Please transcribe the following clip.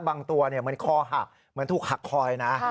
บางตัวมันคอหักมันถูกหักคอยนะ